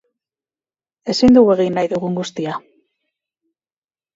Ezin dugu egin nahi dugun guztia.